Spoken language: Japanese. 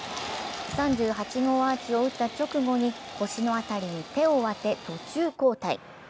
３８号アーチを打った直後に腰の辺りに手を当て、途中交代。